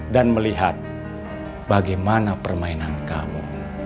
dan melihat bagaimana permainan kamu